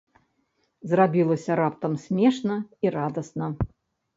Зрабілася раптам смешна і радасна.